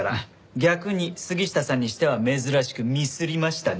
逆に杉下さんにしては珍しくミスりましたね。